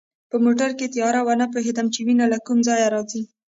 په موټر کې تیاره وه، نه پوهېدم چي وینه له کومه ځایه راځي.